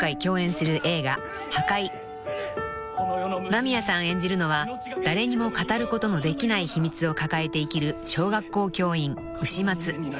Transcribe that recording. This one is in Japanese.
［間宮さん演じるのは誰にも語ることのできない秘密を抱えて生きる小学校教員丑松］